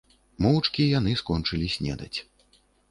Моўчкі яны скончылі снедаць.